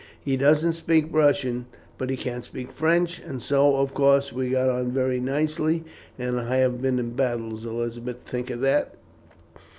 He doesn't speak Russian, but he can speak French, and so, of course, we got on very nicely; and I have been in battles, Elizabeth, think of that!